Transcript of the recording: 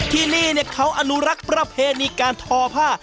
ที่นี่เนี่ยเขาอนุรักษ์ประเภทนิการทอผ้า